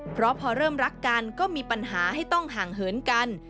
เพราะพอเริ่มรักกันก็มีปัญหาให้ต้องห่างเหินกัน